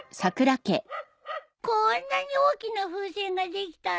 こんなに大きな風船ができたんだ。